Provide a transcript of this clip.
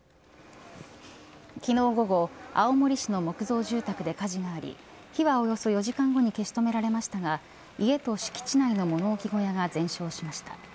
昨日、午後青森市の木造住宅で火事があり、火はおよそ４時間後に消し止められましたが家と敷地内の物置小屋が全焼しました。